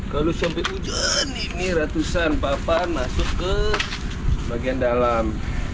kalau sampai hujan ini ratusan papan masuk ke bagian dalam